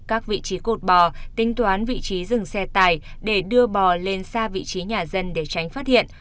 các vị trí cột bò tính toán vị trí dừng xe tài để đưa bò lên xa vị trí nhà dân để tránh phát hiện